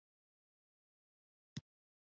عصري تعلیم مهم دی ځکه چې د کمپیوټر ساینس ښيي.